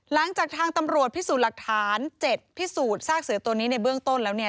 หลังจากทางตำรวจพิสูจน์หลักฐาน๗พิสูจน์ซากเสือตัวนี้ในเบื้องต้นแล้วเนี่ย